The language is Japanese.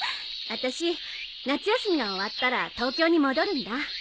あたし夏休みが終わったら東京に戻るんだ。